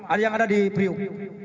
ada yang ada di priuk